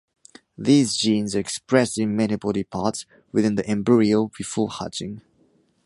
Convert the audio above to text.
These genes are expressed in many body parts within the embryo before hatching.